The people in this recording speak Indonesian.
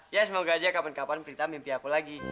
ya semoga aja kapan kapan prita mimpi aku lagi